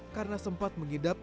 karena sempat mengidap